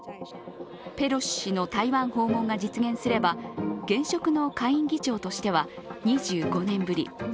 ペロシ氏の台湾訪問が実現すれば現職の下院議長としては２５年ぶり。